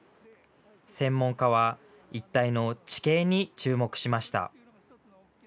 専門家は一帯の地形に注目しました。